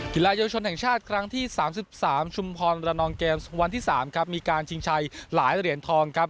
กีฬาเยาวชนแห่งชาติครั้งที่๓๓ชุมพรระนองเกมส์วันที่๓ครับมีการชิงชัยหลายเหรียญทองครับ